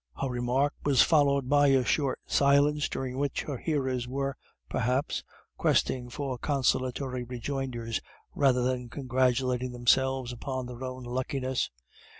Her remark was followed by a short silence, during which her hearers were, perhaps, questing for consolatory rejoinders rather than congratulating themselves upon their own luckiness.